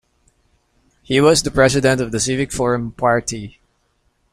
He was the President of the Civic Forum party.